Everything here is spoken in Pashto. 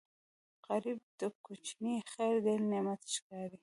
غریب ته کوچنی خیر ډېر نعمت ښکاري